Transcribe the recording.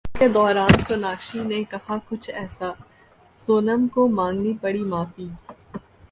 show के दौरान सोनाक्षी ने कहा कुछ ऐसा, सोनम को मांगनी पड़ी माफी